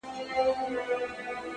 شېخ د خړپا خبري پټي ساتي!